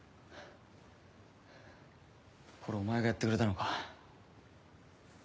これお前がやってくれたのか？